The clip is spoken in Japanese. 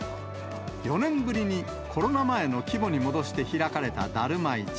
４年ぶりにコロナ前の規模に戻して開かれただるま市。